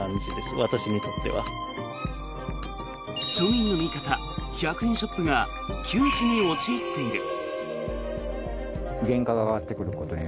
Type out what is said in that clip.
庶民の味方１００円ショップが窮地に陥っている。